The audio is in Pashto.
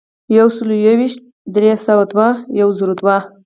یو سلو یو ویشت ، درې سوه دوه ، یو زرو دوه.